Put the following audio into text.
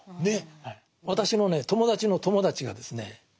私のね友達の友達がですね